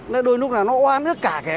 nên đôi lúc là nó oan hết cả kẻ